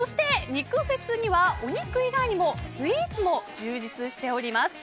そして、肉フェスにはお肉以外にもスイーツも充実しております。